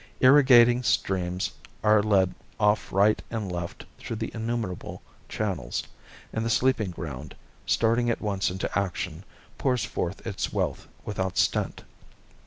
Irrigating streams are led off right and left through innumerable channels, and the sleeping ground, starting at once into action, pours forth its wealth without stint.